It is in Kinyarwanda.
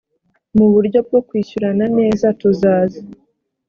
mu buryo bwo kwishyurana neza tuzaza